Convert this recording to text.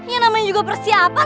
ya namanya juga persiapan